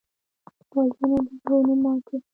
وژنه د زړونو ماتې ده